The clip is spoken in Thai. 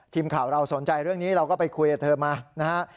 ทีมข่าวเราสนใจเรื่องนี้เราก็ไปคุยกับเธอมานะฮะ